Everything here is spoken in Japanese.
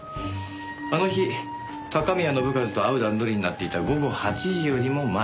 あの日高宮信一と会う段取りになっていた午後８時よりも前。